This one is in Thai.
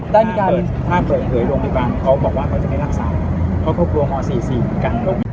ถ้าเปิดเผยลงดีกว่าเขาจะไม่รักษาเขาครบรัวม๔๔กัน